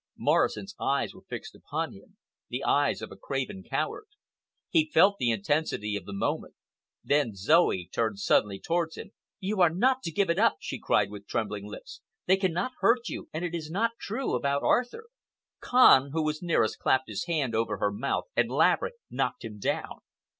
Morrison's eyes were fixed upon him—the eyes of a craven coward. He felt the intensity of the moment. Then Zoe turned suddenly towards him. "You are not to give it up!" she cried, with trembling lips. "They cannot hurt you, and it is not true—about Arthur." Kahn, who was nearest, clapped his hand over her mouth and Laverick knocked him down.